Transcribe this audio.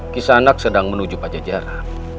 kisana sedang menuju pajajara